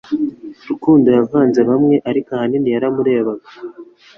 Rukundo yavanze bamwe, ariko ahanini yaramurebaga